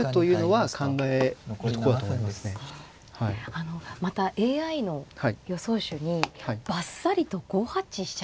あのまたＡＩの予想手にばっさりと５八飛車